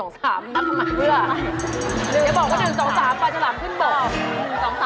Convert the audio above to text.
หรือจะบอกว่า๑๒๓ปลาฉลามขึ้นบก